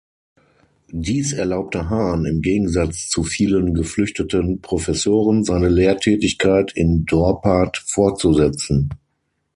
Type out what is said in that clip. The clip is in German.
Dies erlaubte Hahn, im Gegensatz zu vielen geflüchteten Professoren, seine Lehrtätigkeit in Dorpat fortzusetzen.